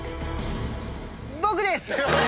僕です！